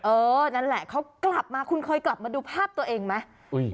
เออนั่นแหละเขากลับมาคุณเคยกลับมาดูภาพตัวเองไหม